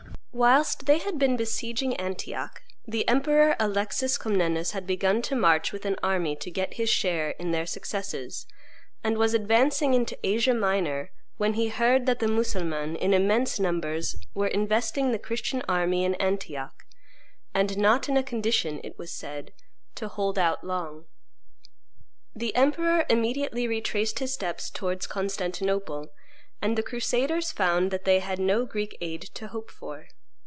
Whilst they had been besieging Antioch, the Emperor Alexis Comnenus had begun to march with an army to get his share in their successes, and was advancing into Asia Minor when he heard that the Mussulmans, in immense numbers, were investing the Christian army in Antioch, and not in a condition, it was said, to hold out long. The emperor immediately retraced his steps towards Constantinople, and the crusaders found that they had no Greek aid to hope for.